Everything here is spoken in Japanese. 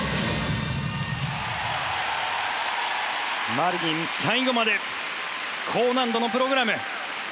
マリニン最後まで高難度のプログラム。